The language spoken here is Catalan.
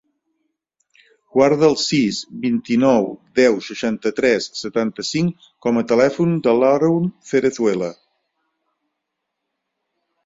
Guarda el sis, vint-i-nou, deu, seixanta-tres, setanta-cinc com a telèfon de l'Haroun Cerezuela.